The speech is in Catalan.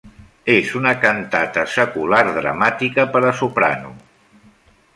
És una cantata secular dramàtica per a soprano.